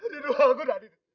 adit bangun adit